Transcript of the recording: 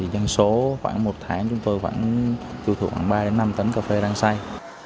nhân số khoảng một tháng chúng tôi vẫn tiêu thụ khoảng ba đến năm tấn cà phê rang xay